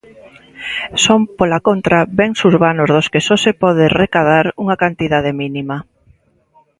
Son, pola contra, bens urbanos dos que só se pode recadar "unha cantidade mínima".